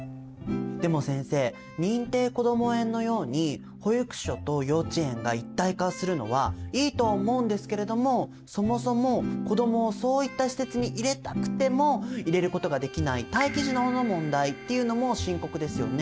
でも先生認定こども園のように保育所と幼稚園が一体化するのはいいと思うんですけれどもそもそも子どもをそういった施設に入れたくても入れることができない待機児童の問題っていうのも深刻ですよね。